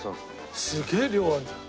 すげえ量あるじゃん。